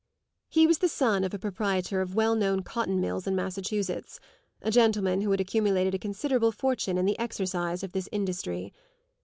He was the son of a proprietor of well known cotton mills in Massachusetts a gentleman who had accumulated a considerable fortune in the exercise of this industry.